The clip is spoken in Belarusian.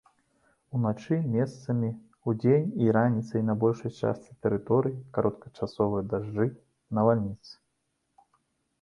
Уначы месцамі, удзень і раніцай на большай частцы тэрыторыі кароткачасовыя дажджы, навальніцы.